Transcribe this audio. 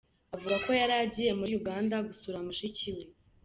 Avuga ko yari agiye muri Uganda gusura mushiki we.